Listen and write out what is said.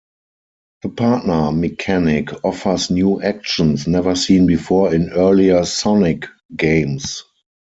The partner mechanic offers new actions never seen before in earlier "Sonic" games.